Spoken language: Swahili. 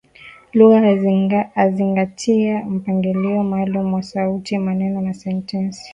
Lugha huzingatia mpangilio maalum wa sauti, maneno na sentensi.